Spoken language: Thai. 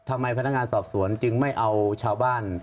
พนักงานสอบสวนจึงไม่เอาชาวบ้าน